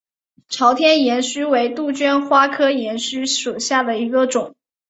朝天岩须为杜鹃花科岩须属下的一个种。